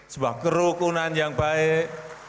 sebuah kerukunan yang baik